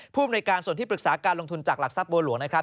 ภูมิในการส่วนที่ปรึกษาการลงทุนจากหลักทรัพย์บัวหลวงนะครับ